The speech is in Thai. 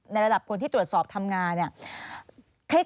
ระดับคนที่ตรวจสอบทำงานเนี่ย